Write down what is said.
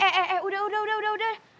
eh eh eh eh udah udah udah udah